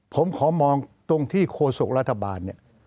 ผมขอมองตรงที่โคสกรัฐบาล